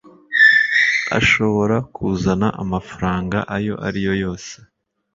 ashobora kuzana amafaranga ayo ari yo yose